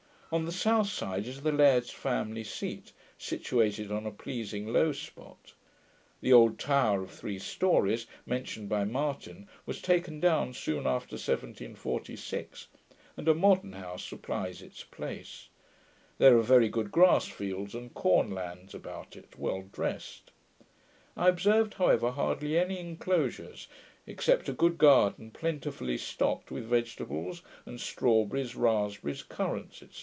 On the south side is the laird's family seat, situated on a pleasing low spot. The old tower of three stories, mentioned by Martin, was taken down soon after 1746, and a modern house supplies its place. There are very good grass fields and corn lands about it, well dressed. I observed, however, hardly any inclosures, except a good garden plentifully stocked with vegetables, and strawberries, raspberries, currants, &c.